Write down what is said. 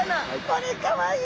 これかわいい。